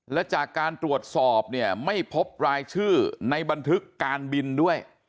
และจากการตรวจสอบเนี่ยไม่พบรายชื่อในบันทึกการบินด้วย